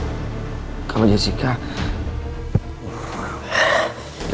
kamu itu udah ngerusak rencana saya tahu nggak bang